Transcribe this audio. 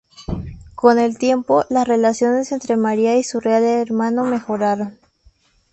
Con el tiempo, las relaciones entre María y su real hermano mejoraron.